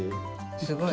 すごい。